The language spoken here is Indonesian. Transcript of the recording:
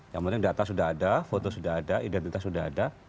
yang penting data sudah ada foto sudah ada identitas sudah ada